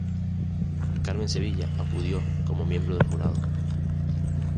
Carmen Sevilla acudió como miembro del jurado.